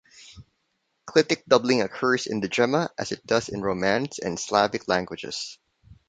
Clitic doubling occurs in Degema, as it does in Romance and Slavic languages.